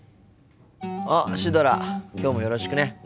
あっシュドラきょうもよろしくね。